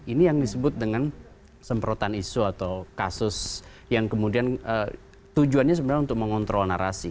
ini yang disebut dengan semprotan isu atau kasus yang kemudian tujuannya sebenarnya untuk mengontrol narasi